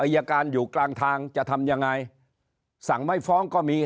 อายการอยู่กลางทางจะทำยังไงสั่งไม่ฟ้องก็มี